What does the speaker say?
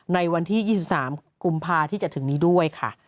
ในวันที่๒๓กุมภาที่จะถึงนี้ด้วยค่ะ